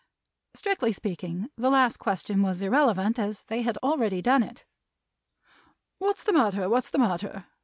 Strictly speaking, the last question was irrelevant, as they had already done it. "What's the matter, what's the matter?"